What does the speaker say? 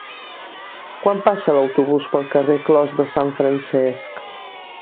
Quan passa l'autobús pel carrer Clos de Sant Francesc?